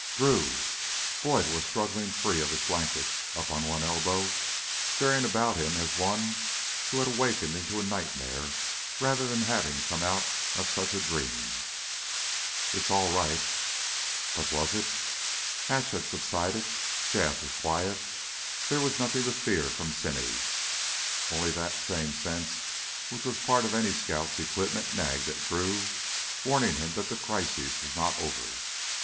"Drew!" Boyd was struggling free of his blankets, up on one elbow, staring about him as one who had wakened into a nightmare rather than having come out of such a dream. "It's all right...." But was it? Hatch had subsided. Jas' was quiet; there was nothing to fear from Simmy. Only that same sense which was part of any scout's equipment nagged at Drew, warning him that the crisis was not over.